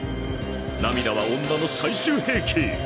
涙は女の最終兵器。